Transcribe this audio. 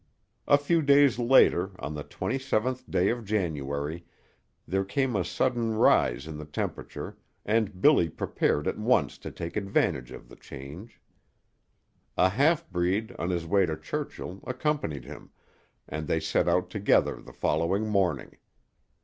A few days later, on the twenty seventh day of January, there came a sudden rise in the temperature, and Billy prepared at once to take advantage of the change. A half breed, on his way to Churchill, accompanied him, and they set out together the following morning.